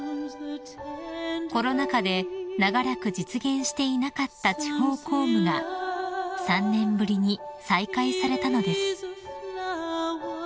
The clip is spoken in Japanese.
［コロナ禍で長らく実現していなかった地方公務が３年ぶりに再開されたのです］